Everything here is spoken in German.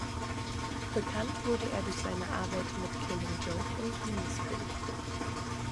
Bekannt wurde er durch seine Arbeit mit "Killing Joke" und "Ministry".